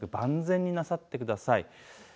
熱中症対策万全になさってください。